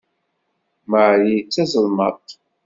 Marie d tazelmaḍt.